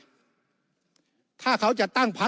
วุฒิสภาจะเขียนไว้ในข้อที่๓๐